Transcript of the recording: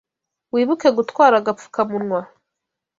Wibuke gutwara agapfukamunwa.